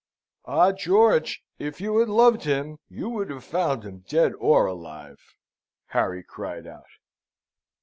"Ah, George! If you had loved him you would have found him dead or alive," Harry cried out.